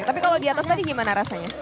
tapi kalau di atas tadi gimana rasanya